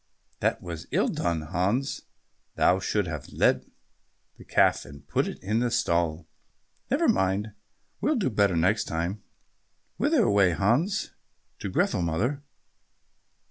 "That was ill done, Hans, thou shouldst have led the calf, and put it in the stall." "Never mind, will do better next time." "Whither away, Hans?" "To Grethel, mother."